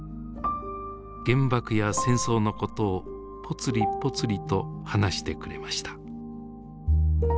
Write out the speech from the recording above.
原爆や戦争のことをぽつりぽつりと話してくれました。